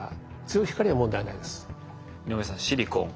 井上さんシリコン。